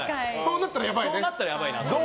そうなったらやばいね。